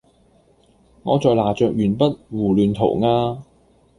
我在拿著鉛筆胡亂塗鴉